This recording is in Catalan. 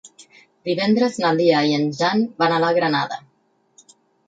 Divendres na Lia i en Jan van a la Granada.